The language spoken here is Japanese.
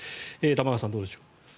玉川さん、どうでしょう。